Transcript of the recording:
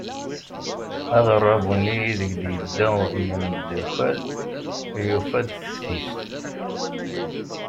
Aɣerabu-nni ideg d-yedda yemderkal yufa-d teftist.